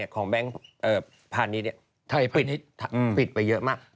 ของแบงก์พาณิชย์